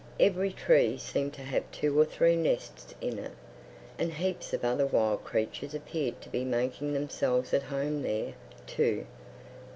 Every tree seemed to have two or three nests in it. And heaps of other wild creatures appeared to be making themselves at home there, too.